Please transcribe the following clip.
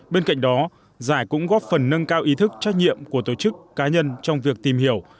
bên cạnh đó giải cũng góp phần nâng cao ý thức trách nhiệm của tổ chức cá nhân trong việc tìm hiểu